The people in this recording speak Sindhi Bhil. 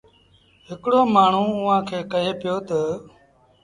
هڪڙو مآڻهوٚٚݩ اُئآݩ کي ڪهي پيو تا